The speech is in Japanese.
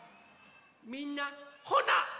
みんなほな。